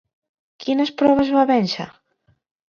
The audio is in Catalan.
Quines proves va vèncer?